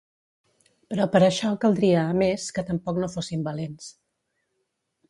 Però per a això caldria, a més, que tampoc no fossin valents.